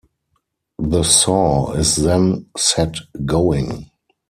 The saw is then set going.